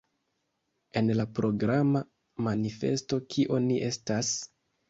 En la programa manifesto Kio ni estas?